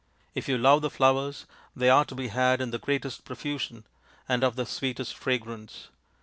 If you love the flowers they are to be had in the greatest profusion, and of the sweetest fragrance.